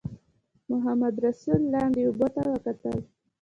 محمدرسول لاندې اوبو ته وکتل.